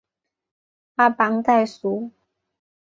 阿邦代苏。